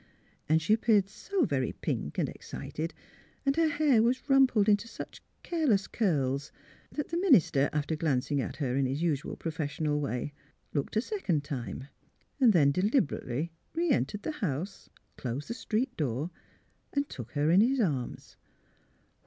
And she appeared so very pink and excited, and her hair was rumpled into such careless curls, that the minister, after glancing at her in his usual professional way, looked a second time ; then deliberately reentered the house, closed the street door, and took her in his arms.